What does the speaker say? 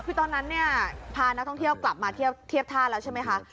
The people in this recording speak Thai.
พี่ตอนนั้นพาน้ำท่องเที่ยวกลับมาเทียบท่าแล้วใช่ไหมครับ